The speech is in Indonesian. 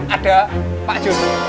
ada pak jun